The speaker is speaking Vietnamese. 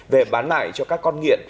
về bán lại cho các con nghiện